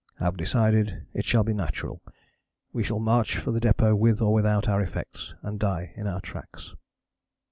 Have decided it shall be natural we shall march for the depôt with or without our effects and die in our tracks."